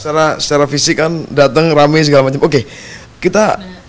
karena secara fisik kan datang rame segala macam oke kita